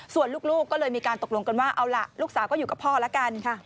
ส่วนลูกก็เลยมีการตกลงกันว่าเอาล่ะลูกสาวก็อยู่กับพ่อแล้วกัน